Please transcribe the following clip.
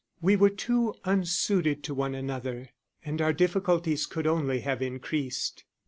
We were too unsuited to one another, and our difficulties could only have increased.